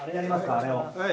あれを。